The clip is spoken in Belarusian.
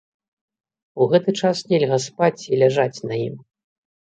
У гэты час нельга спаць і ляжаць на ім.